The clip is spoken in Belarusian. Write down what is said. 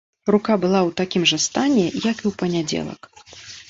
Рука была ў такім жа стане, як і ў панядзелак.